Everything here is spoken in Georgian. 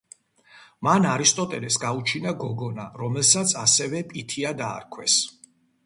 მან არისტოტელეს გაუჩინა გოგონა, რომელსაც ასევე პითია დაარქვეს.